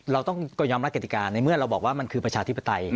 เราต้องยอมรับกติกาในเมื่อเราบอกว่ามันคือประชาธิปไตย